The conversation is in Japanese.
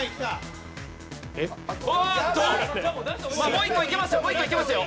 もう一個いけますよ